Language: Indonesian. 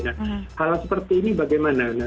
nah hal seperti ini bagaimana